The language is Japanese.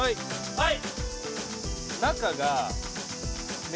はい！